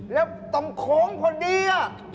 แล้วตำโขลมคนดี